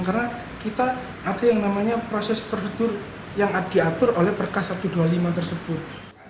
karena kita ada yang namanya proses prosedur yang diatur oleh perkas satu ratus dua puluh lima tersebut